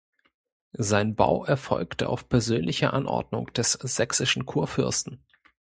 Sein Bau erfolgte auf persönliche Anordnung des sächsischen Kurfürsten.